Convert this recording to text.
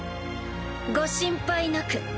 ご心配なく。